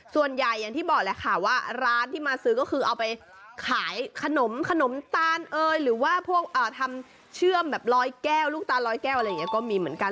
อย่างที่บอกแหละค่ะว่าร้านที่มาซื้อก็คือเอาไปขายขนมขนมตาลเอยหรือว่าพวกทำเชื่อมแบบร้อยแก้วลูกตาลร้อยแก้วอะไรอย่างนี้ก็มีเหมือนกัน